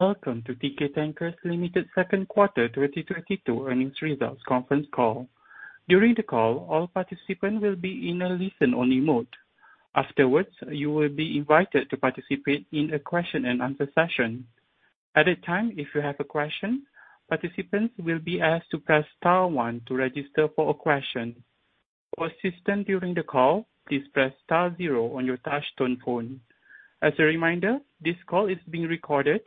Welcome to Teekay Tankers Ltd second quarter 2022 earnings results conference call. During the call, all participants will be in a listen-only mode. Afterwards, you will be invited to participate in a question-and-answer session. At that time, if you have a question, participants will be asked to press star one to register for a question. For assistance during the call, please press star zero on your touch tone phone. As a reminder, this call is being recorded.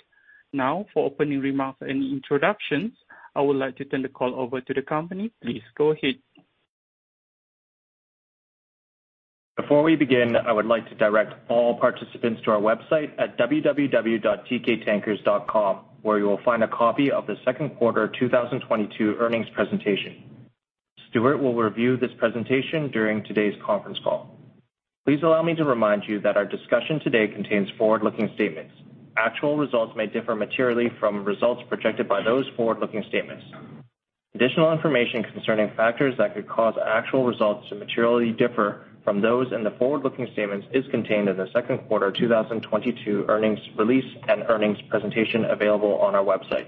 Now, for opening remarks and introductions, I would like to turn the call over to the company. Please go ahead. Before we begin, I would like to direct all participants to our website at www.teekaytankers.com, where you will find a copy of the second quarter 2022 earnings presentation. Stewart will review this presentation during today's conference call. Please allow me to remind you that our discussion today contains forward-looking statements. Actual results may differ materially from results projected by those forward-looking statements. Additional information concerning factors that could cause actual results to materially differ from those in the forward-looking statements is contained in the second quarter 2022 earnings release and earnings presentation available on our website.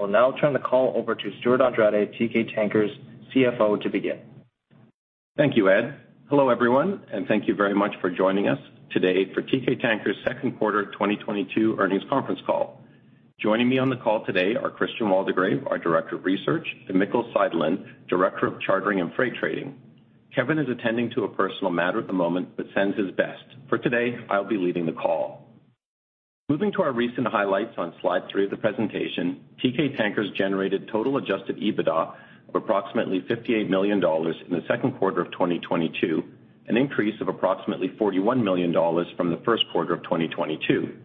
I'll now turn the call over to Stewart Andrade, Teekay Tankers' CFO, to begin. Thank you, Ed. Hello, everyone, and thank you very much for joining us today for Teekay Tankers second quarter of 2022 earnings conference call. Joining me on the call today are Christian Waldegrave, our Director of Research, and Mikkel Seidelin, Director of Chartering and Freight Trading. Kevin is attending to a personal matter at the moment, but sends his best. For today, I'll be leading the call. Moving to our recent highlights on slide three of the presentation, Teekay Tankers generated total adjusted EBITDA of approximately $58 million in the second quarter of 2022, an increase of approximately $41 million from the first quarter of 2022.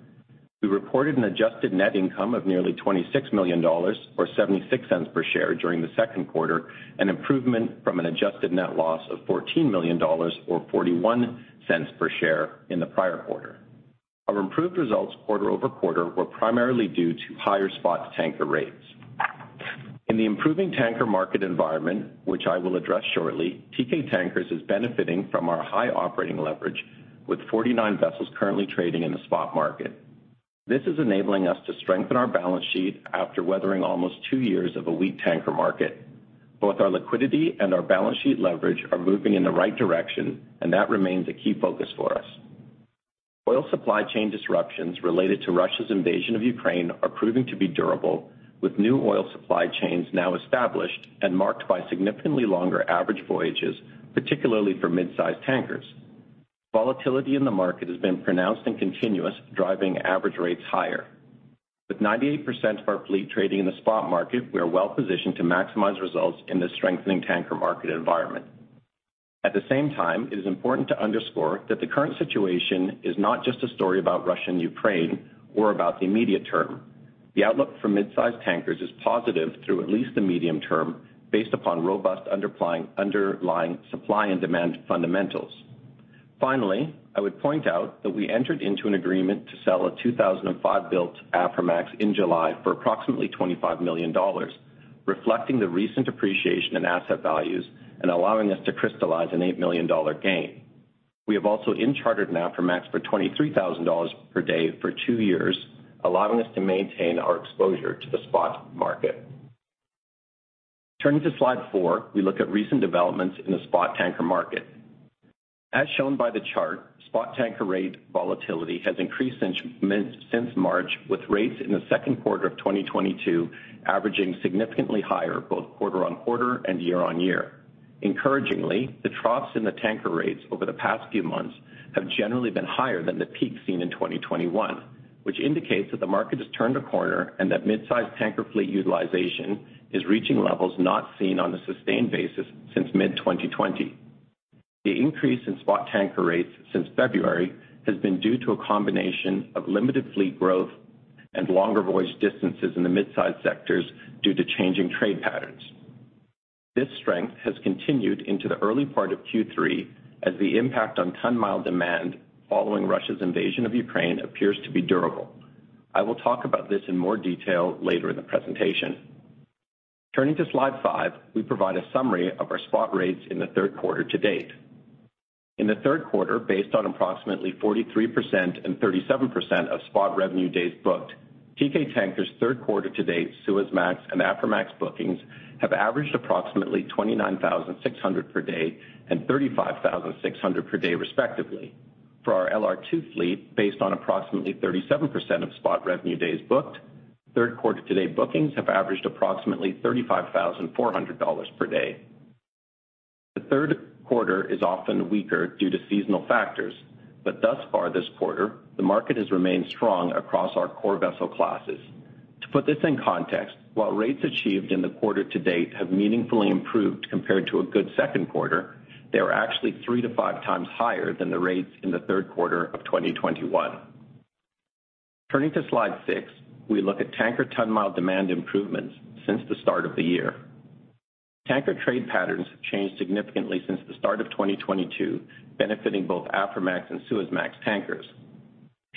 We reported an adjusted net income of nearly $26 million or $0.76 per share during the second quarter, an improvement from an adjusted net loss of $14 million or $0.41 per share in the prior quarter. Our improved results quarter-over-quarter were primarily due to higher spot tanker rates. In the improving tanker market environment, which I will address shortly, Teekay Tankers is benefiting from our high operating leverage with 49 vessels currently trading in the spot market. This is enabling us to strengthen our balance sheet after weathering almost two years of a weak tanker market. Both our liquidity and our balance sheet leverage are moving in the right direction, and that remains a key focus for us. Oil supply chain disruptions related to Russia's invasion of Ukraine are proving to be durable, with new oil supply chains now established and marked by significantly longer average voyages, particularly for mid-sized tankers. Volatility in the market has been pronounced and continuous, driving average rates higher. With 98% of our fleet trading in the spot market, we are well-positioned to maximize results in this strengthening tanker market environment. At the same time, it is important to underscore that the current situation is not just a story about Russia and Ukraine or about the immediate term. The outlook for mid-sized tankers is positive through at least the medium term based upon robust underlying supply and demand fundamentals. Finally, I would point out that we entered into an agreement to sell a 2005-built Aframax in July for approximately $25 million, reflecting the recent appreciation in asset values and allowing us to crystallize an $8 million gain. We have also chartered in an Aframax for $23,000 per day for two years, allowing us to maintain our exposure to the spot tanker market. Turning to slide four, we look at recent developments in the spot tanker market. As shown by the chart, spot tanker rate volatility has increased since March, with rates in the second quarter of 2022 averaging significantly higher both quarter-on-quarter and year-on-year. Encouragingly, the troughs in the tanker rates over the past few months have generally been higher than the peak seen in 2021, which indicates that the market has turned a corner and that mid-sized tanker fleet utilization is reaching levels not seen on a sustained basis since mid-2020. The increase in spot tanker rates since February has been due to a combination of limited fleet growth and longer voyage distances in the mid-size sectors due to changing trade patterns. This strength has continued into the early part of Q3 as the impact on ton-mile demand following Russia's invasion of Ukraine appears to be durable. I will talk about this in more detail later in the presentation. Turning to slide five, we provide a summary of our spot rates in the third quarter to date. In the third quarter, based on approximately 43% and 37% of spot revenue days booked, Teekay Tankers third quarter to date Suezmax and Aframax bookings have averaged approximately $29,600 per day and $35,600 per day respectively. For our LR2 fleet, based on approximately 37% of spot revenue days booked, third quarter to date bookings have averaged approximately $35,400 per day. The third quarter is often weaker due to seasonal factors, but thus far this quarter, the market has remained strong across our core vessel classes. To put this in context, while rates achieved in the quarter to date have meaningfully improved compared to a good second quarter, they are actually 3x-5x higher than the rates in the third quarter of 2021. Turning to slide six, we look at tanker ton-mile demand improvements since the start of the year. Tanker trade patterns have changed significantly since the start of 2022, benefiting both Aframax and Suezmax tankers.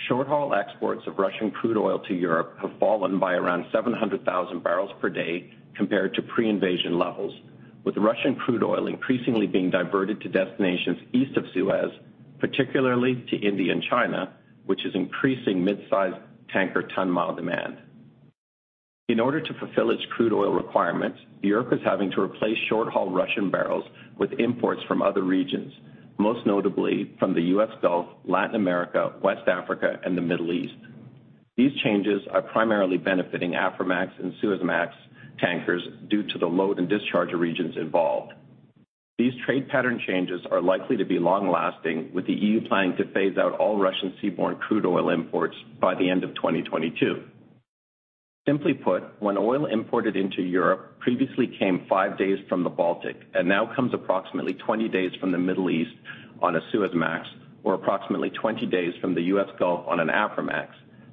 Short-haul exports of Russian crude oil to Europe have fallen by around 700,000 barrels per day compared to pre-invasion levels. With Russian crude oil increasingly being diverted to destinations east of Suez, particularly to India and China, which is increasing midsize tanker ton-mile demand. In order to fulfill its crude oil requirements, Europe is having to replace short-haul Russian barrels with imports from other regions, most notably from the U.S. Gulf, Latin America, West Africa and the Middle East. These changes are primarily benefiting Aframax and Suezmax tankers due to the load and discharge regions involved. These trade pattern changes are likely to be long-lasting, with the EU planning to phase out all Russian seaborne crude oil imports by the end of 2022. Simply put, when oil imported into Europe previously came five days from the Baltic and now comes approximately 20 days from the Middle East on a Suezmax, or approximately 20 days from the U.S. Gulf on an Aframax,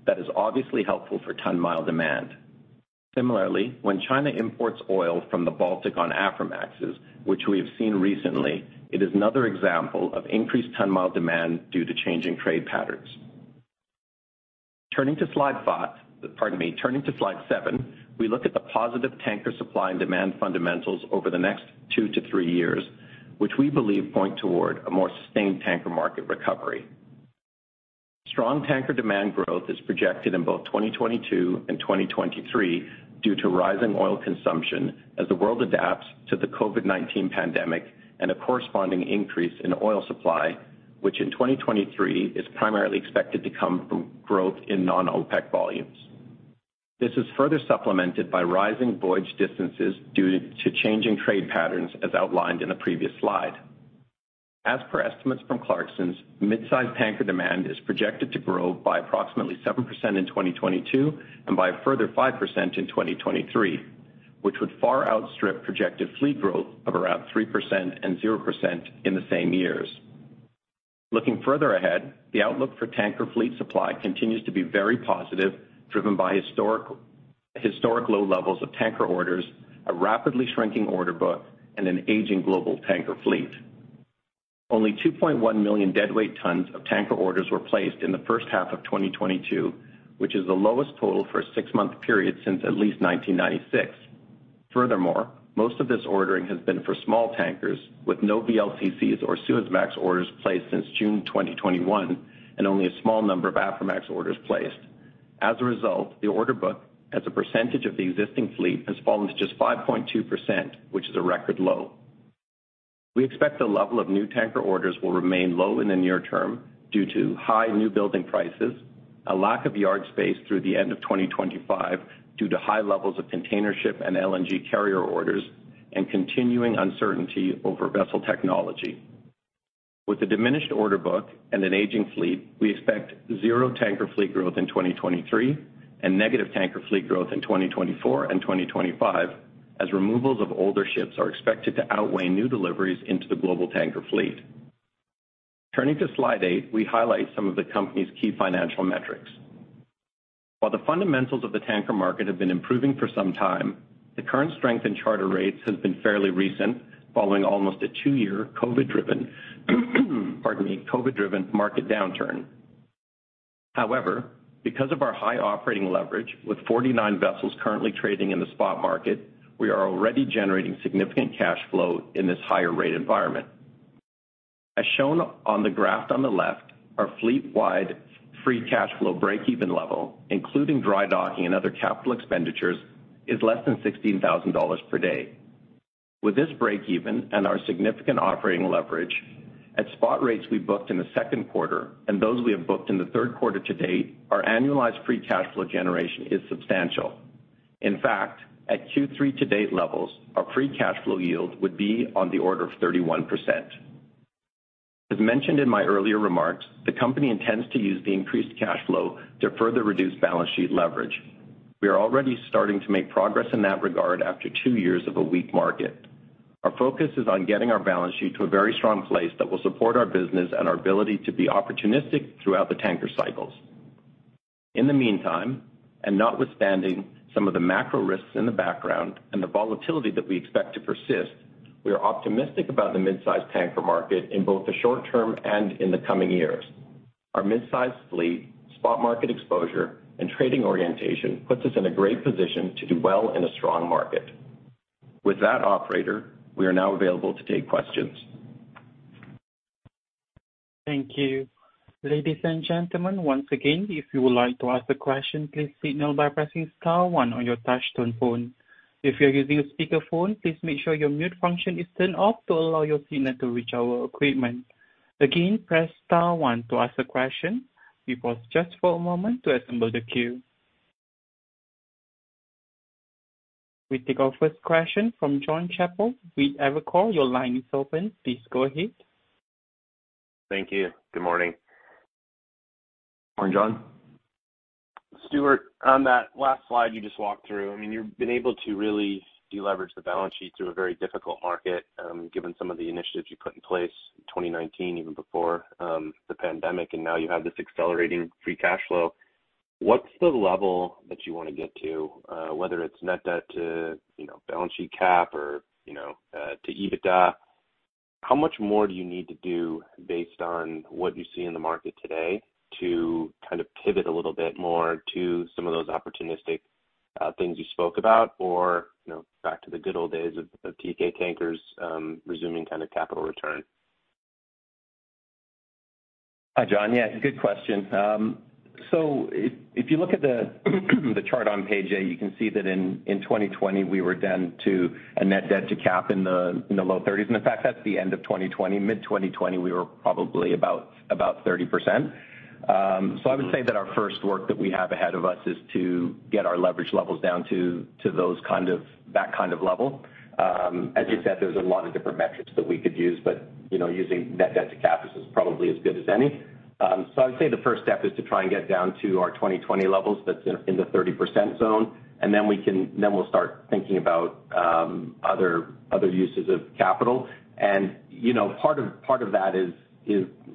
that is obviously helpful for ton-mile demand. Similarly, when China imports oil from the Baltic on Aframaxes, which we have seen recently, it is another example of increased ton-mile demand due to changing trade patterns. Turning to slide seven, we look at the positive tanker supply and demand fundamentals over the next two to three years, which we believe point toward a more sustained tanker market recovery. Strong tanker demand growth is projected in both 2022 and 2023 due to rising oil consumption as the world adapts to the COVID-19 pandemic and a corresponding increase in oil supply, which in 2023 is primarily expected to come from growth in non-OPEC volumes. This is further supplemented by rising voyage distances due to changing trade patterns, as outlined in the previous slide. As per estimates from Clarksons, mid-sized tanker demand is projected to grow by approximately 7% in 2022 and by a further 5% in 2023, which would far outstrip projected fleet growth of around 3% and 0% in the same years. Looking further ahead, the outlook for tanker fleet supply continues to be very positive, driven by historic low levels of tanker orders, a rapidly shrinking order book and an aging global tanker fleet. Only 2.1 million deadweight tons of tanker orders were placed in the first half of 2022, which is the lowest total for a six-month period since at least 1996. Furthermore, most of this ordering has been for small tankers with no VLCCs or Suezmax orders placed since June 2021, and only a small number of Aframax orders placed. As a result, the order book as a percentage of the existing fleet has fallen to just 5.2%, which is a record low. We expect the level of new tanker orders will remain low in the near term due to high new building prices, a lack of yard space through the end of 2025 due to high levels of containership and LNG carrier orders, and continuing uncertainty over vessel technology. With a diminished order book and an aging fleet, we expect zero tanker fleet growth in 2023 and negative tanker fleet growth in 2024 and 2025, as removals of older ships are expected to outweigh new deliveries into the global tanker fleet. Turning to slide eight, we highlight some of the company's key financial metrics. While the fundamentals of the tanker market have been improving for some time, the current strength in charter rates has been fairly recent, following almost a two-year COVID-driven, pardon me, COVID-driven market downturn. However, because of our high operating leverage with 49 vessels currently trading in the spot market, we are already generating significant cash flow in this higher rate environment. As shown on the graph on the left, our fleet-wide free cash flow breakeven level, including dry docking and other capital expenditures, is less than $16,000 per day. With this breakeven and our significant operating leverage at spot rates we booked in the second quarter and those we have booked in the third quarter to date, our annualized free cash flow generation is substantial. In fact, at Q3 to date levels, our free cash flow yield would be on the order of 31%. As mentioned in my earlier remarks, the company intends to use the increased cash flow to further reduce balance sheet leverage. We are already starting to make progress in that regard after two years of a weak market. Our focus is on getting our balance sheet to a very strong place that will support our business and our ability to be opportunistic throughout the tanker cycles. In the meantime, and notwithstanding some of the macro risks in the background and the volatility that we expect to persist, we are optimistic about the mid-size tanker market in both the short term and in the coming years. Our mid-size fleet, spot market exposure and trading orientation puts us in a great position to do well in a strong market. With that, operator, we are now available to take questions. Thank you. Ladies and gentlemen, once again, if you would like to ask a question, please signal by pressing star one on your touch-tone phone. If you're using a speakerphone, please make sure your mute function is turned off to allow your signal to reach our equipment. Again, press star one to ask a question. We pause just for a moment to assemble the queue. We take our first question from Jonathan Chappell with Evercore. Your line is open. Please go ahead. Thank you. Good morning. Morning, Jon. Stewart, on that last slide you just walked through, I mean, you've been able to really deleverage the balance sheet through a very difficult market, given some of the initiatives you put in place in 2019, even before the pandemic, and now you have this accelerating free cash flow. What's the level that you wanna get to, whether it's net debt to, you know, balance sheet cap or, you know, to EBITDA? How much more do you need to do based on what you see in the market today to kind of pivot a little bit more to some of those opportunistic things you spoke about? Or, you know, back to the good old days of Teekay Tankers resuming kind of capital return. Hi, Jon. Yeah, good question. So if you look at the chart on page eight, you can see that in 2020 we were down to a net debt-to-cap in the low-30%. In fact, that's the end of 2020. Mid-2020, we were probably about 30%. So I would say that our first work that we have ahead of us is to get our leverage levels down to that kind of level. As you said, there's a lot of different metrics that we could use, but you know, using net debt-to-cap is probably as good as any. I'd say the first step is to try and get down to our 2020 levels that's in the 30% zone, and then we'll start thinking about other uses of capital. You know, part of that is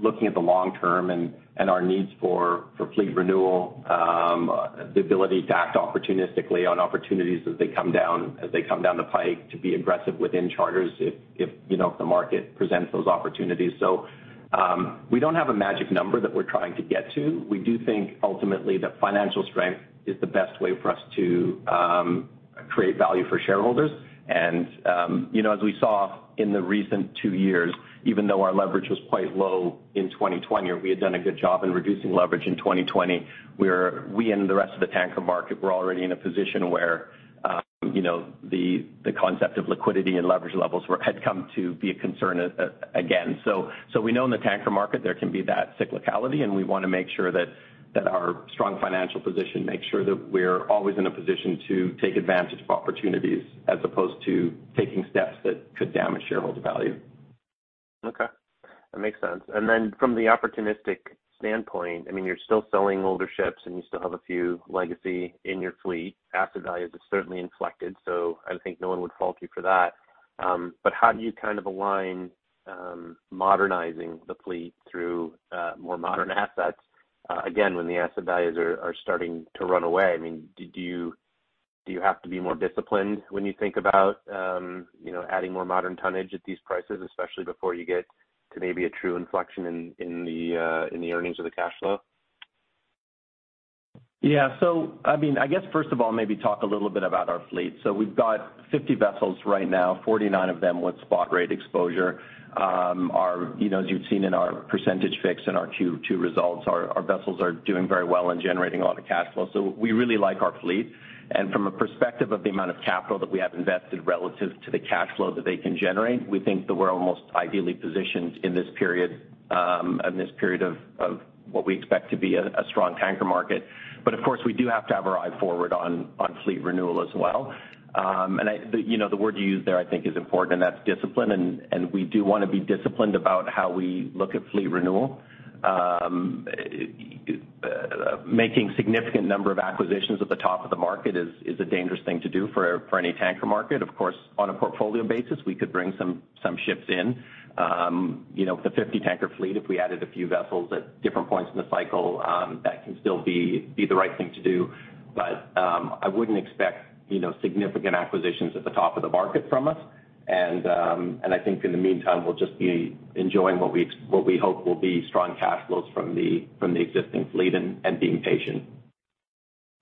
looking at the long term and our needs for fleet renewal, the ability to act opportunistically on opportunities as they come down the pike to be aggressive within charters if you know, if the market presents those opportunities. We don't have a magic number that we're trying to get to. We do think ultimately that financial strength is the best way for us to create value for shareholders. You know, as we saw in the recent two years, even though our leverage was quite low in 2020, or we had done a good job in reducing leverage in 2020, we and the rest of the tanker market were already in a position where, you know, the concept of liquidity and leverage levels had come to be a concern again. We know in the tanker market there can be that cyclicality, and we wanna make sure that our strong financial position makes sure that we're always in a position to take advantage of opportunities as opposed to taking steps that could damage shareholder value. Okay. That makes sense. From the opportunistic standpoint, I mean, you're still selling older ships, and you still have a few legacy in your fleet. Asset values have certainly inflected, so I think no one would fault you for that. How do you kind of align modernizing the fleet through more modern assets again, when the asset values are starting to run away? I mean, do you have to be more disciplined when you think about you know, adding more modern tonnage at these prices, especially before you get to maybe a true inflection in the earnings or the cash flow? Yeah. I mean, I guess, first of all, maybe talk a little bit about our fleet. We've got 50 vessels right now, 49 of them with spot rate exposure. Our, you know, as you've seen in our percentage fix in our Q2 results, our vessels are doing very well and generating a lot of cash flow, so we really like our fleet. From a perspective of the amount of capital that we have invested relative to the cash flow that they can generate, we think that we're almost ideally positioned in this period of what we expect to be a strong tanker market. Of course, we do have to have our eye forward on fleet renewal as well. You know, the word you used there I think is important, and that's discipline. We do wanna be disciplined about how we look at fleet renewal. Making significant number of acquisitions at the top of the market is a dangerous thing to do for any tanker market. Of course, on a portfolio basis, we could bring some ships in. You know, with the 50 tanker fleet, if we added a few vessels at different points in the cycle, that can still be the right thing to do. I wouldn't expect, you know, significant acquisitions at the top of the market from us. I think in the meantime, we'll just be enjoying what we hope will be strong cash flows from the existing fleet and being patient.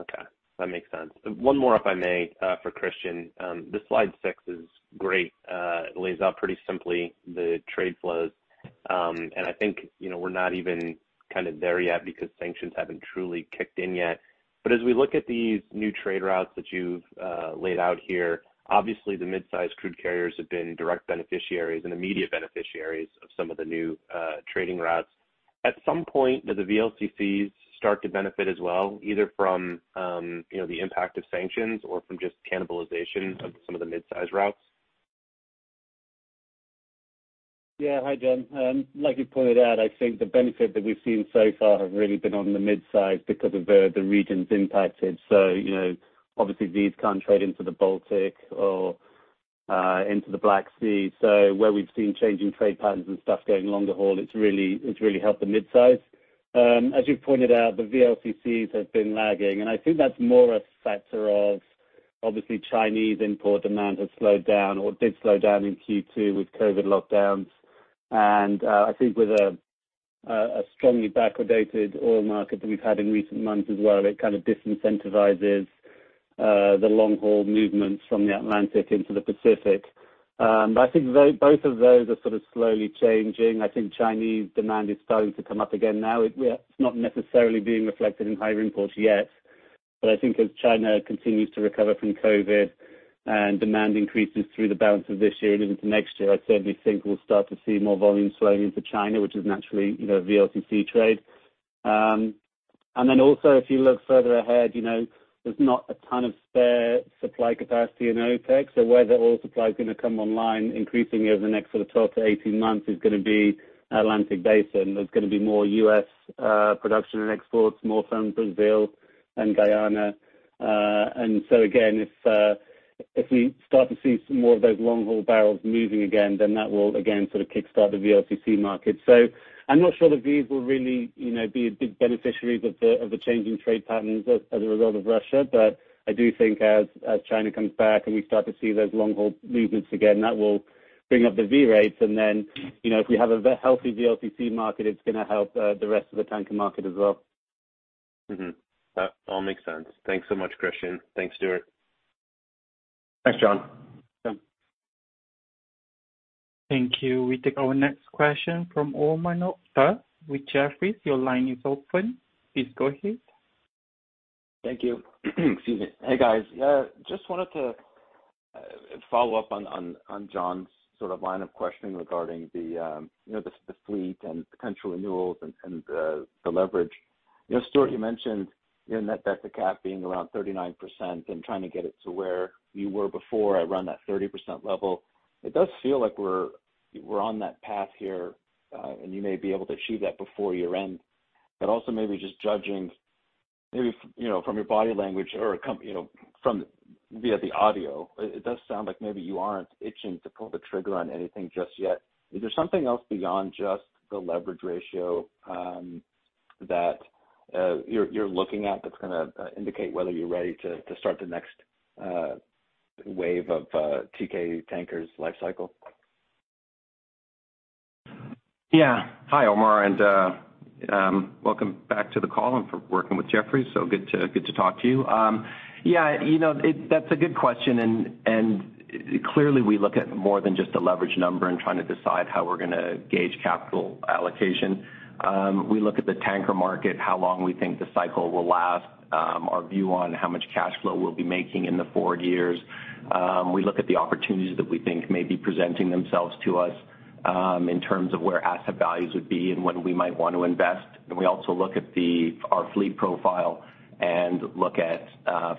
Okay. That makes sense. One more, if I may, for Christian. The slide six is great. It lays out pretty simply the trade flows. I think, you know, we're not even kind of there yet because sanctions haven't truly kicked in yet. As we look at these new trade routes that you've laid out here, obviously the mid-size crude carriers have been direct beneficiaries and immediate beneficiaries of some of the new trading routes. At some point, do the VLCCs start to benefit as well, either from the impact of sanctions or from just cannibalization of some of the mid-size routes? Yeah. Hi, Jon. Like you pointed out, I think the benefit that we've seen so far have really been on the mid-size because of the regions impacted. You know, obviously these can't trade into the Baltic or into the Black Sea. Where we've seen changing trade patterns and stuff going longer haul, it's really helped the mid-size. As you've pointed out, the VLCCs have been lagging, and I think that's more a factor of obviously Chinese import demand has slowed down or did slow down in Q2 with COVID lockdowns. I think with a strongly backwardated oil market that we've had in recent months as well, it kind of disincentivizes the long-haul movements from the Atlantic into the Pacific. I think both of those are sort of slowly changing. I think Chinese demand is starting to come up again now. It's not necessarily being reflected in higher imports yet, but I think as China continues to recover from COVID and demand increases through the balance of this year and into next year, I certainly think we'll start to see more volume flowing into China, which is naturally, you know, VLCC trade. Also if you look further ahead, you know, there's not a ton of spare supply capacity in OPEC, so where the oil supply is gonna come online increasingly over the next sort of 12-18 months is gonna be Atlantic Basin. There's gonna be more U.S. production and exports, more from Brazil and Guyana. If we start to see some more of those long-haul barrels moving again, then that will again sort of kickstart the VLCC market. I'm not sure the VLCCs will really, you know, be a big beneficiary of the changing trade patterns as a result of Russia. I do think as China comes back and we start to see those long-haul movements again, that will bring up the VLCC rates. You know, if we have a healthy VLCC market, it's gonna help the rest of the tanker market as well. Mm-hmm. That all makes sense. Thanks so much, Christian. Thanks, Stewart. Thanks, Jon. Yeah. Thank you. We take our next question from Omar Nokta with Jefferies. Your line is open. Please go ahead. Thank you. Excuse me. Hey, guys. Just wanted to follow up on Jonathan's sort of line of questioning regarding you know, the fleet and potential renewals and the leverage. You know, Stewart, you mentioned your net debt-to-cap being around 39% and trying to get it to where you were before around that 30% level. It does feel like we're on that path here, and you may be able to achieve that before year-end. Also maybe just judging, maybe from you know, from your body language or comments you know, from via the audio, it does sound like maybe you aren't itching to pull the trigger on anything just yet. Is there something else beyond just the leverage ratio that you're looking at that's gonna indicate whether you're ready to start the next wave of Teekay Tankers' life cycle? Yeah. Hi, Omar, and welcome back to the call and for working with Jefferies, so good to talk to you. Yeah, you know, that's a good question. Clearly, we look at more than just a leverage number in trying to decide how we're gonna gauge capital allocation. We look at the tanker market, how long we think the cycle will last, our view on how much cash flow we'll be making in the forward years. We look at the opportunities that we think may be presenting themselves to us, in terms of where asset values would be and when we might want to invest. We also look at our fleet profile and look at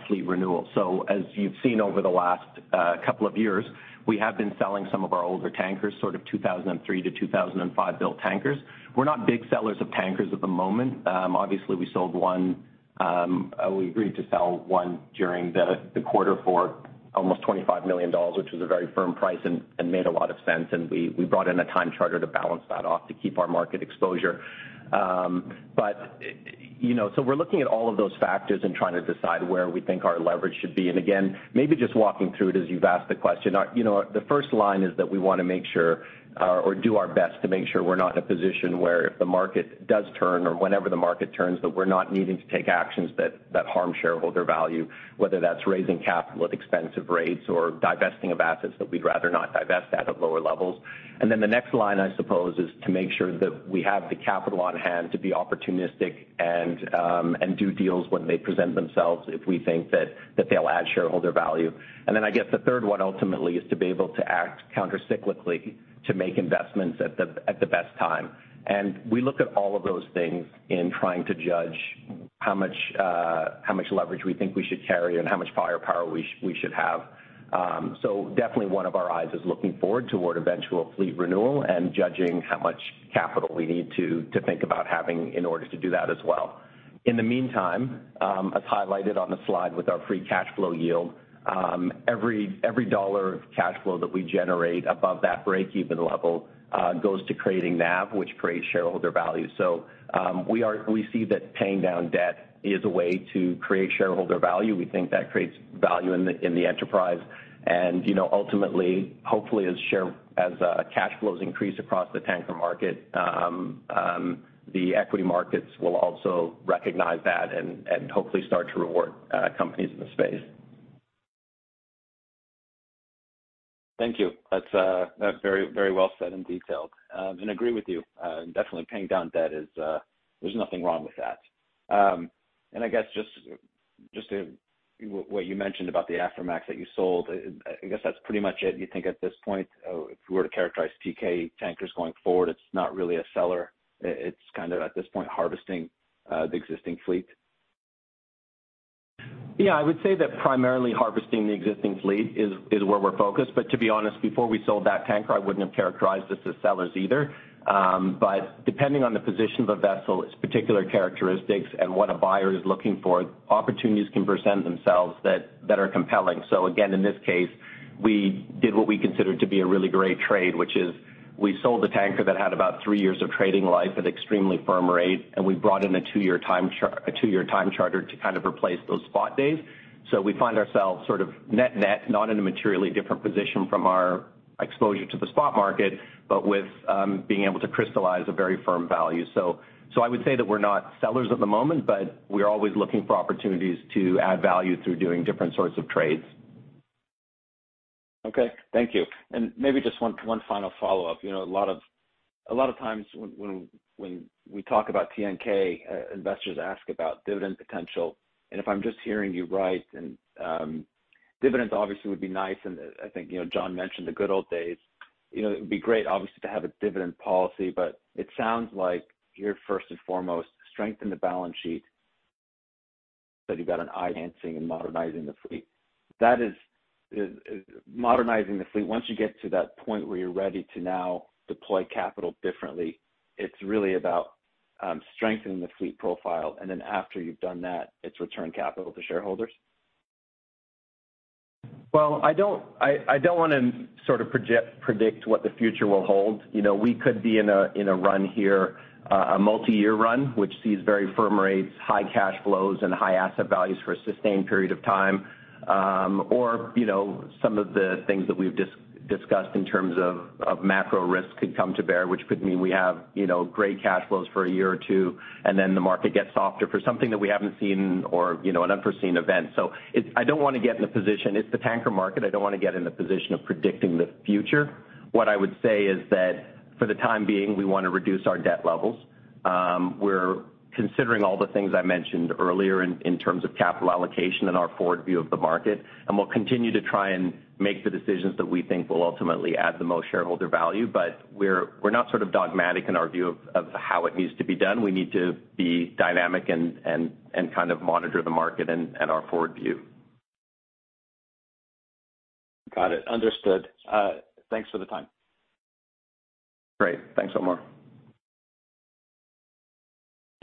fleet renewal. As you've seen over the last couple of years, we have been selling some of our older tankers, sort of 2003 to 2005-built tankers. We're not big sellers of tankers at the moment. Obviously, we sold one, we agreed to sell one during the quarter for almost $25 million, which was a very firm price and made a lot of sense, and we brought in a time charter to balance that off to keep our market exposure. You know, we're looking at all of those factors and trying to decide where we think our leverage should be. Again, maybe just walking through it as you've asked the question. You know, the first line is that we wanna make sure or do our best to make sure we're not in a position where if the market does turn or whenever the market turns, that we're not needing to take actions that harm shareholder value, whether that's raising capital at expensive rates or divesting of assets that we'd rather not divest at lower levels. The next line, I suppose, is to make sure that we have the capital on-hand to be opportunistic and do deals when they present themselves if we think that they'll add shareholder value. I guess the third one ultimately is to be able to act countercyclically to make investments at the best time. We look at all of those things in trying to judge how much leverage we think we should carry and how much firepower we should have. Definitely one of our eyes is looking forward toward eventual fleet renewal and judging how much capital we need to think about having in order to do that as well. In the meantime, as highlighted on the slide with our free cash flow yield, every dollar of cash flow that we generate above that breakeven level goes to creating NAV, which creates shareholder value. We see that paying down debt is a way to create shareholder value. We think that creates value in the enterprise. You know, ultimately, hopefully, as cash flows increase across the tanker market, the equity markets will also recognize that and hopefully start to reward companies in the space. Thank you. That's very well said and detailed. Agree with you. Definitely paying down debt is. There's nothing wrong with that. I guess just to what you mentioned about the Aframax that you sold. I guess that's pretty much it. You think at this point, if we were to characterize Teekay Tankers going forward, it's not really a seller. It's kind of at this point harvesting the existing fleet? Yeah, I would say that primarily harvesting the existing fleet is where we're focused. To be honest, before we sold that tanker, I wouldn't have characterized us as sellers either. Depending on the position of a vessel, its particular characteristics and what a buyer is looking for, opportunities can present themselves that are compelling. Again, in this case, we did what we considered to be a really great trade, which is we sold a tanker that had about three years of trading life at extremely firm rates, and we brought in a two-year time charter to kind of replace those spot days. We find ourselves sort of net net, not in a materially different position from our exposure to the spot market, but with being able to crystallize a very firm value. I would say that we're not sellers at the moment, but we're always looking for opportunities to add value through doing different sorts of trades. Okay. Thank you. Maybe just one final follow-up. You know, a lot of times when we talk about TNK, investors ask about dividend potential, and if I'm just hearing you right, dividends obviously would be nice, and I think, you know, Jon mentioned the good old days. You know, it would be great obviously to have a dividend policy, but it sounds like you're first and foremost strengthen the balance sheet, but you've got an eye on enhancing and modernizing the fleet. That is, modernizing the fleet, once you get to that point where you're ready to now deploy capital differently, it's really about strengthening the fleet profile, and then after you've done that, it's return capital to shareholders? Well, I don't wanna predict what the future will hold. You know, we could be in a run here, a multi-year run, which sees very firm rates, high cash flows, and high asset values for a sustained period of time. Or, you know, some of the things that we've discussed in terms of macro risk could come to bear, which could mean we have, you know, great cash flows for a year or two, and then the market gets softer for something that we haven't seen or, you know, an unforeseen event. It's the tanker market. I don't wanna get in the position of predicting the future. What I would say is that for the time being, we wanna reduce our debt levels. We're considering all the things I mentioned earlier in terms of capital allocation and our forward view of the market, and we'll continue to try and make the decisions that we think will ultimately add the most shareholder value. We're not sort of dogmatic in our view of how it needs to be done. We need to be dynamic and kind of monitor the market and our forward view. Got it. Understood. Thanks for the time. Great. Thanks, Omar. Thank you.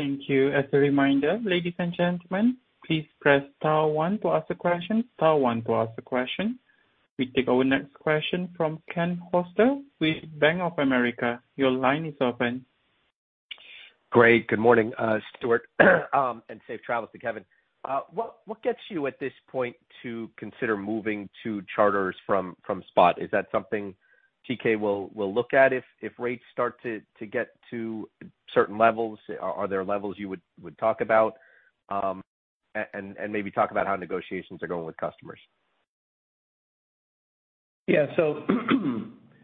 As a reminder, ladies and gentlemen, please press star one to ask a question. Star one to ask a question. We take our next question from Ken Hoexter with Bank of America. Your line is open. Great. Good morning, Stewart, and safe travels to Kevin. What gets you at this point to consider moving to charters from spot? Is that something TK will look at if rates start to get to certain levels? Are there levels you would talk about? And maybe talk about how negotiations are going with customers. Yeah.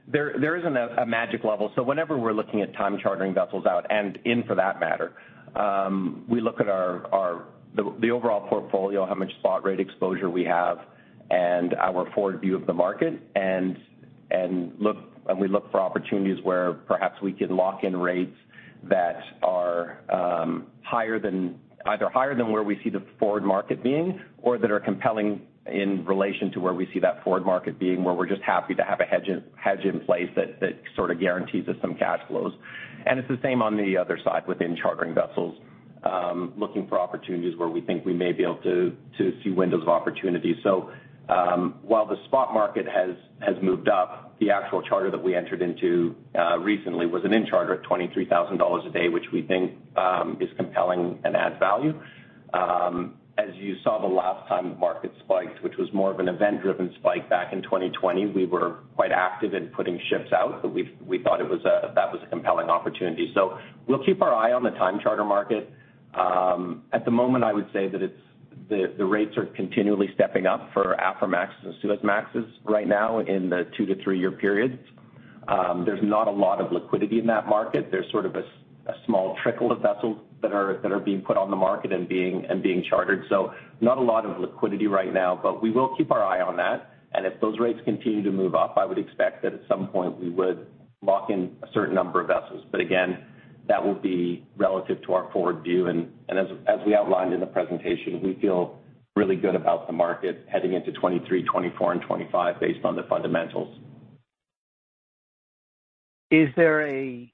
There isn't a magic level. Whenever we're looking at time chartering vessels out, and in for that matter, we look at our overall portfolio, how much spot rate exposure we have and our forward view of the market and we look for opportunities where perhaps we can lock in rates that are either higher than where we see the forward market being or that are compelling in relation to where we see that forward market being, where we're just happy to have a hedge in place that sort of guarantees us some cash flows. It's the same on the other side within chartering vessels, looking for opportunities where we think we may be able to see windows of opportunities. While the spot market has moved up, the actual charter that we entered into recently was an in charter at $23,000 a day, which we think is compelling and add value. As you saw the last time the market spiked, which was more of an event-driven spike back in 2020, we were quite active in putting ships out, but we thought it was that was a compelling opportunity. We'll keep our eye on the time charter market. At the moment, I would say that it's the rates are continually stepping up for Aframax and Suezmaxes right now in the two to three-year periods. There's not a lot of liquidity in that market. There's sort of a small trickle of vessels that are being put on the market and being chartered. Not a lot of liquidity right now, but we will keep our eye on that. If those rates continue to move up, I would expect that at some point we would lock in a certain number of vessels. Again, that will be relative to our forward view. As we outlined in the presentation, we feel really good about the market heading into 2023, 2024 and 2025 based on the fundamentals. Is there a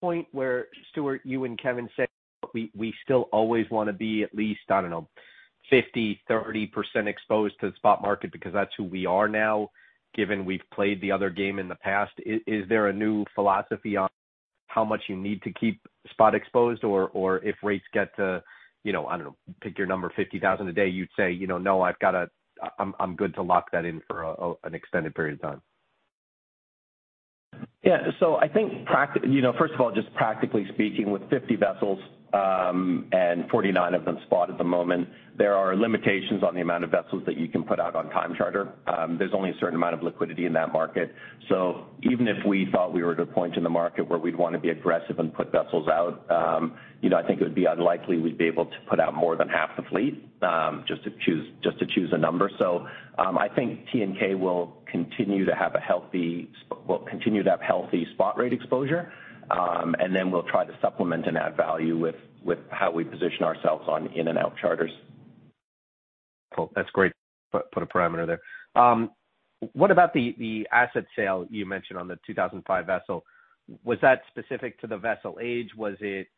point where, Stewart, you and Kevin said we still always wanna be at least, I don't know, 50% or 30% exposed to the spot market because that's who we are now, given we've played the other game in the past. Is there a new philosophy on how much you need to keep spot exposed? Or if rates get to, you know, I don't know, pick your number, $50,000 a day, you'd say, you know, "No, I've gotta... I'm good to lock that in for an extended period of time."? Yeah. I think practically speaking, with 50 vessels and 49 of them spot at the moment, there are limitations on the amount of vessels that you can put out on time charter. There's only a certain amount of liquidity in that market. Even if we thought we were at a point in the market where we'd wanna be aggressive and put vessels out, you know, I think it would be unlikely we'd be able to put out more than half the fleet, just to choose a number. I think TNK will continue to have a healthy spot rate exposure, and then we'll try to supplement and add value with how we position ourselves on in and out charters. Cool. That's great. Put a parameter there. What about the asset sale you mentioned on the 2005 vessel? Was that specific to the vessel age? Was it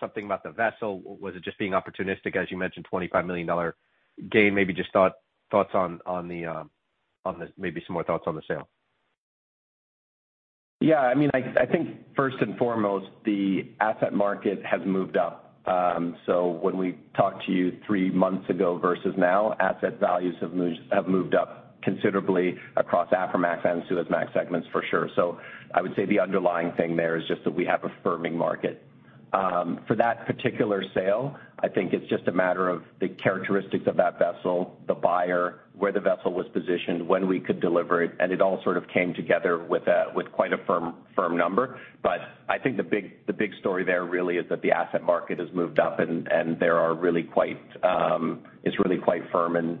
something about the vessel? Was it just being opportunistic, as you mentioned, $25 million gain? Maybe some more thoughts on the sale. Yeah, I mean, I think first and foremost, the asset market has moved up. When we talked to you three months ago versus now, asset values have moved up considerably across Aframax and Suezmax segments for sure. I would say the underlying thing there is just that we have a firming market. For that particular sale, I think it's just a matter of the characteristics of that vessel, the buyer, where the vessel was positioned, when we could deliver it, and it all sort of came together with quite a firm number. I think the big story there really is that the asset market has moved up and there are really quite It's really quite firm.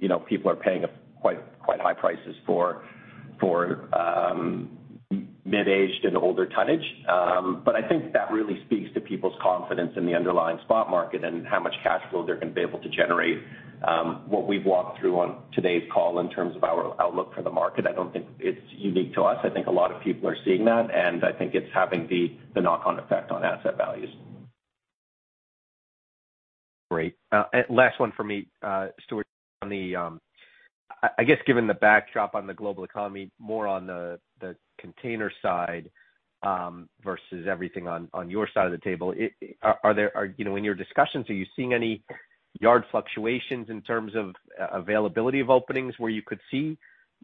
You know, people are paying quite high prices for mid-aged and older tonnage. I think that really speaks to people's confidence in the underlying spot market and how much cash flow they're gonna be able to generate. What we've walked through on today's call in terms of our outlook for the market, I don't think it's unique to us. I think a lot of people are seeing that, and I think it's having the knock-on effect on asset values. Great. And last one for me, Stewart. On the, I guess, given the backdrop on the global economy, more on the container side versus everything on your side of the table, you know, in your discussions, are you seeing any yard fluctuations in terms of availability of openings where you could see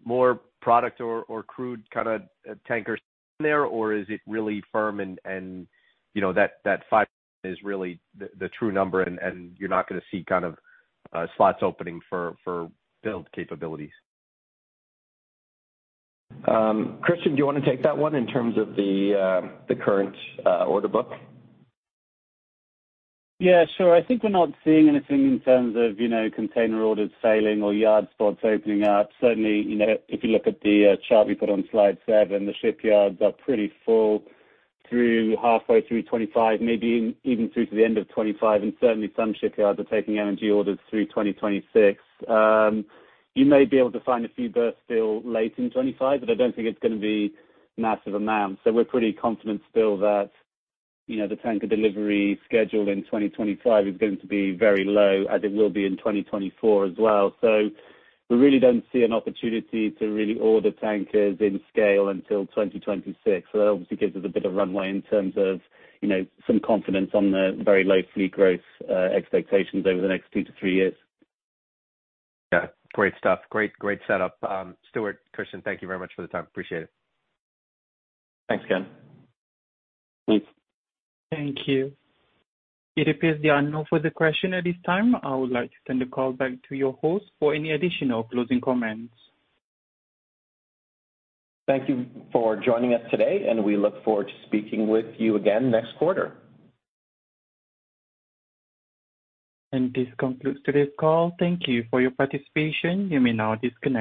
more product or crude kinda tankers there? Or is it really firm and you know that five is really the true number and you're not gonna see kind of slots opening for build capabilities? Christian, do you wanna take that one in terms of the current order book? Yeah, sure. I think we're not seeing anything in terms of, you know, container orders failing or yard spots opening up. Certainly, you know, if you look at the chart we put on slide seven, the shipyards are pretty full through halfway through 2025, maybe even through to the end of 2025, and certainly some shipyards are taking energy orders through 2026. You may be able to find a few berths still late in 2025, but I don't think it's gonna be massive amounts. We're pretty confident still that, you know, the tanker delivery schedule in 2025 is going to be very low, as it will be in 2024 as well. We really don't see an opportunity to really order tankers in scale until 2026. That obviously gives us a bit of runway in terms of, you know, some confidence on the very low fleet growth expectations over the next two to three years. Yeah. Great stuff. Great, great setup. Stewart, Christian, thank you very much for the time. Appreciate it. Thanks, Ken. Thanks. Thank you. It appears there are no further questions at this time. I would like to turn the call back to your host for any additional closing comments. Thank you for joining us today, and we look forward to speaking with you again next quarter. This concludes today's call. Thank you for your participation. You may now disconnect.